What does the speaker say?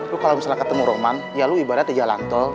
lu kalau misalnya ketemu rohman ya lu ibarat di jalan tol